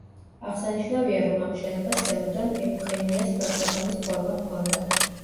აღსანიშნავია, რომ ამ შენობას ზემოდან ეუხენიას ყელსაბამის ფორმა ჰქონდა.